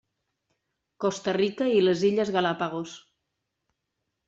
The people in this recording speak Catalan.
Costa Rica i les illes Galápagos.